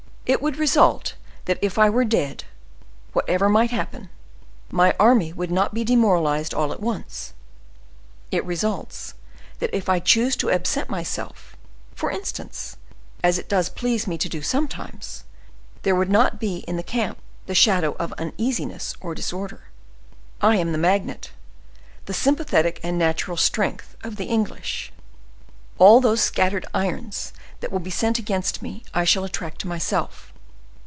It would result that if I were dead, whatever might happen, my army would not be demoralized all at once; it results, that if I choose to absent myself, for instance, as it does please me to do sometimes, there would not be in the camp the shadow of uneasiness or disorder. I am the magnet—the sympathetic and natural strength of the English. All those scattered irons that will be sent against me I shall attract to myself.